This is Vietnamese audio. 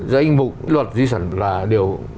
danh mục luật di sản là đều